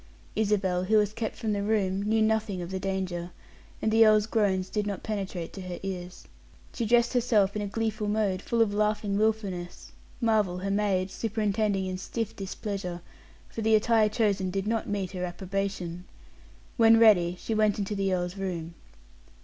Isabel, who was kept from the room, knew nothing of the danger, and the earl's groans did not penetrate to her ears. She dressed herself in a gleeful mode, full of laughing willfulness, Marvel, her maid, superintending in stiff displeasure, for the attire chosen did not meet her approbation. When ready, she went into the earl's room.